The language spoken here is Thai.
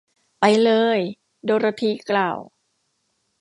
ไปเลย ! โดโรธีกล่าว